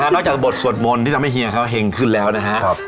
นอกจากบทสวดมณที่ทำให้เหงขึ้นแล้วนะครับ